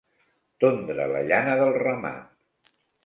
Tondre la llana del ramat.